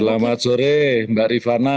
selamat sore mbak rifana